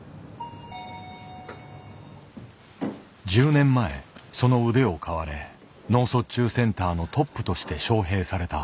１０年前その腕を買われ脳卒中センターのトップとして招へいされた。